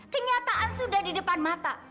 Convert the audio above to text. kenyataan sudah di depan mata